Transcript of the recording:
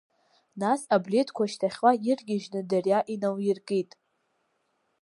Нас аблеҭқәа шьҭахьла иргьежьны Дариа иналиркит.